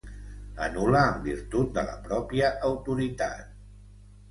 Anul·la en virtut de la pròpia autoritat.